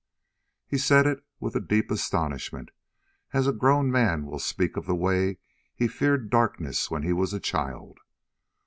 He said it with a deep astonishment, as a grown man will speak of the way he feared darkness when he was a child.